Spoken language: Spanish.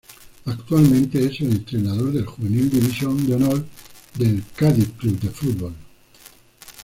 Actualmente es el entrenador del Juvenil División de Honor del Cádiz Club de Fútbol.